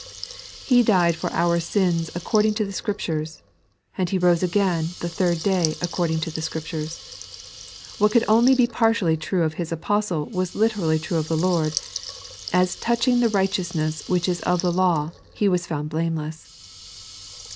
" He died for our sins according to the Scriptures, and He rose again the third day according to the Scriptiu^s." What could only be partially true of His Apostle was literally true of the Lord : as " touching the righteousness which is of the law, He was found blameless."